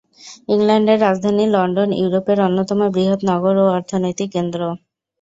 ইংল্যান্ডের রাজধানী লন্ডন ইউরোপের অন্যতম বৃহৎ নগর ও অর্থনৈতিক কেন্দ্র।